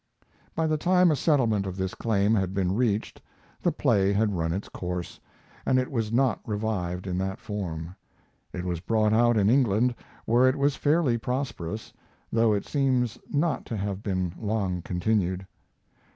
By the time a settlement of this claim had been reached the play had run its course, and it was not revived in that form. It was brought out in England, where it was fairly prosperous, though it seems not to have been long continued.